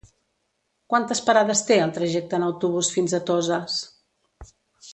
Quantes parades té el trajecte en autobús fins a Toses?